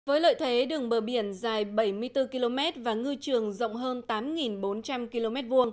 với lợi thế đường bờ biển dài bảy mươi bốn km và ngư trường rộng hơn tám bốn trăm linh km hai